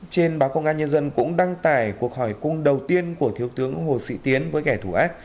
trên báo công an nhân dân cũng đăng tải cuộc hỏi cung đầu tiên của thiếu tướng hồ sĩ tiến với kẻ thù ác